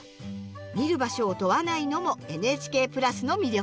見る場所を問わないのもＮＨＫ＋の魅力です。